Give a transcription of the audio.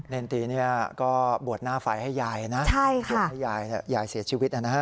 เนรติก็บวชหน้าไฟให้ยายนะให้ยายเสียชีวิตนะ